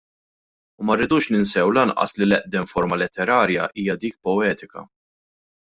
U ma rridux ninsew lanqas li l-eqdem forma letterarja hija dik poetika.